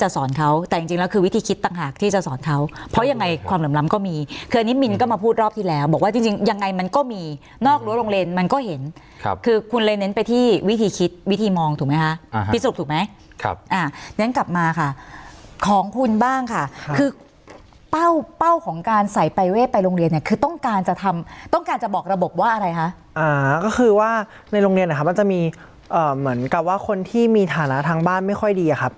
สุดท้ายแล้วบอกว่าจริงยังไงมันก็มีนอกรั้วโรงเรนมันก็เห็นคือคุณเลยเน้นไปที่วิธีคิดวิธีมองถูกไหมฮะพิสูจน์ถูกไหมครับอ่ะนั้นกลับมาค่ะของคุณบ้างค่ะคือเป้าของการใส่ไปเวทไปโรงเรียนคือต้องการจะทำต้องการจะบอกระบบว่าอะไรฮะก็คือว่าในโรงเรียนมันจะมีเหมือนกับว่าคนที่มีฐา